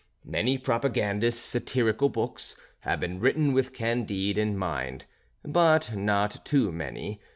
Many propagandist satirical books have been written with "Candide" in mind, but not too many.